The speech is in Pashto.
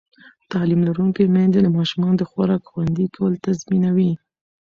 تعلیم لرونکې میندې د ماشومانو د خوراک خوندي کول تضمینوي.